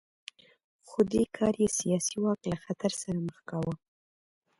خو دې کار یې سیاسي واک له خطر سره مخ کاوه